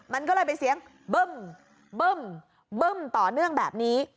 มันก็เลยเป็นเสียงบึ้มบึ้มต่อเนื่องแบบนี้